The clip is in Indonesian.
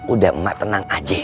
udah ma tenang aja